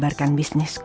ya udah deh